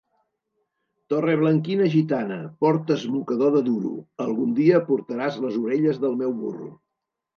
Torreblanquina gitana, portes mocador de duro; algun dia portaràs les orelles del meu burro.